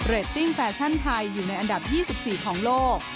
ตติ้งแฟชั่นไทยอยู่ในอันดับ๒๔ของโลก